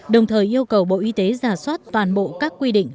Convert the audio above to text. đồng thời yêu cầu bộ y tế giả soát toàn bộ các quy định